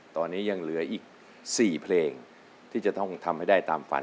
ตอนนี้ยังเหลืออีก๔เพลงที่จะต้องทำให้ได้ตามฝัน